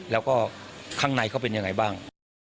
แล้วก็ข้างในเขาเป็นยังไงบ้าง